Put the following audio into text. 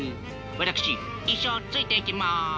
私一生ついていきます。